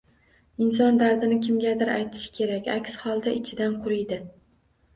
Inson dardini kimgadir aytishi kerak, aks holda ichidan quriydi